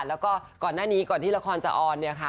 แล้วก็ก่อนหน้านี้ก่อนที่ละครจะออนเนี่ยค่ะ